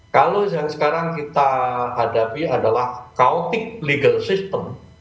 kalau yang sekarang kita hadapi adalah audic legal system